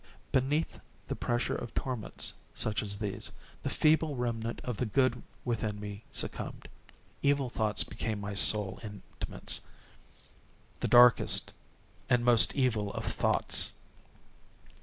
_ Beneath the pressure of torments such as these, the feeble remnant of the good within me succumbed. Evil thoughts became my sole intimates—the darkest and most evil of thoughts.